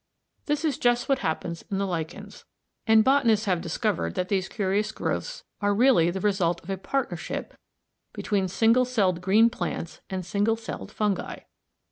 This is just what happens in the lichens; and botanists have discovered that these curious growths are really the result of a partnership between single celled green plants and single celled fungi.